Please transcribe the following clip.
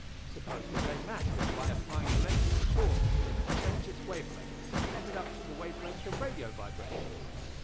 Suppose we take matter and by applying electrical force to it change its wave length, step it up to the wave length of radio vibrations?